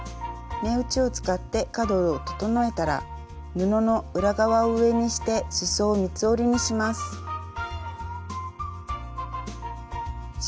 目打ちを使って角を整えたら布の裏側を上にしてすそを三つ折りにします。